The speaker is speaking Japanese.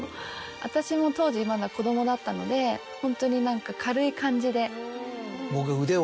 私も当時まだ子供だったのでホントに何か軽い感じで。